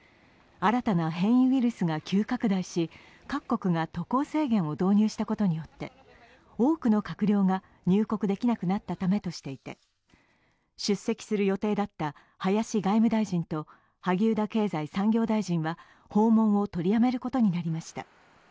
新たな変異ウイルスが急拡大し、各国が渡航制限を導入したことによって多くの閣僚が入国できなくなったためとしていて出席する予定だった林外務大臣と萩生田経済産業大臣は訪問を取りやめることになりました。